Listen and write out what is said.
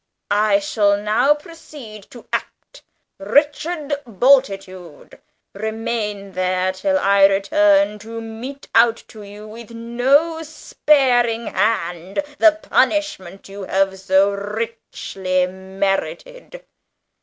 I shall now proceed to act. Richard Bultitude, remain there till I return to mete out to you with no sparing hand the punishment you have so richly merited."